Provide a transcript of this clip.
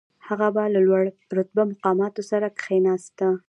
هغه به له لوړ رتبه مقاماتو سره کښېناسته.